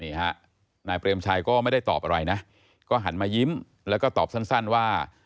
นี่ฮะนายเปรมชัยก็ไม่ได้ตอบอะไรนะก็หันมายิ้มแล้วก็ตอบสั้นว่า